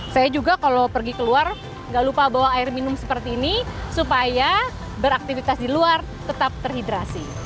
saya juga kalau pergi keluar nggak lupa bawa air minum seperti ini supaya beraktivitas di luar tetap terhidrasi